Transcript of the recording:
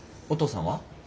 お父さんは？